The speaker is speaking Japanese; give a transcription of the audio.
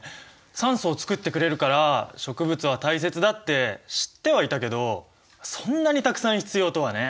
酸素を作ってくれるから植物は大切だって知ってはいたけどそんなにたくさん必要とはね。